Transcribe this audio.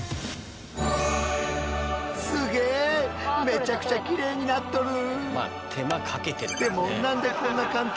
めちゃくちゃきれいになっとる！